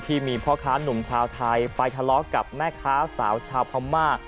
ที่มีพ่อค้านุ่มชาวไทยไปทะเลาะกับแม่ค้าสาวชาวพม่า